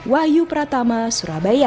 wahyu pratama surabaya